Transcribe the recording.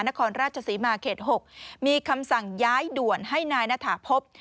นครราชศรีมาเขต๖มีคำสั่งย้ายด่วนให้นายณฐาพบ